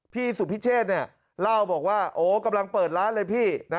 พี่สุพิเชษภ์เล่าบอกว่ากำลังเปิดร้านเลยพี่